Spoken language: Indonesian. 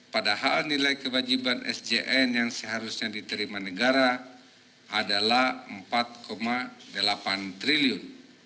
padahal nilai kewajiban sjn yang seharusnya diterima negara adalah rp empat delapan triliun